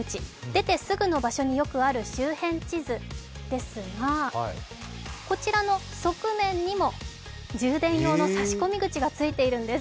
出てすぐの場所によくある周辺地図ですが、こちらの側面にも充電用の差込み口がついているんです。